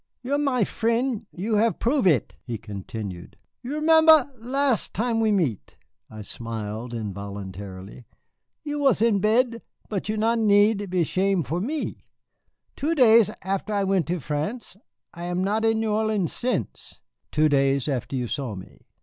"You are my frien', you have prove it," he continued. "You remember las' time we meet?" (I smiled involuntarily.) "You was in bed, but you not need be ashame' for me. Two days after I went to France, and I not in New Orleans since." "Two days after you saw me?"